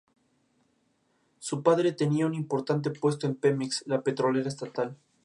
Su padre tenía un importante puesto en Pemex, la petrolera estatal.